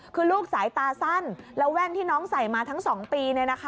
คือลูกสายตาสั้นแล้วแว่นที่น้องใส่มาทั้ง๒ปี